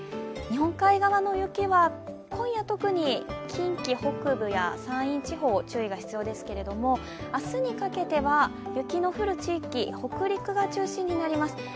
日本海側の雪は今夜特に近畿北部や山陰地方、注意が必要ですが、明日にかけては雪の降る地域北陸が中心になります。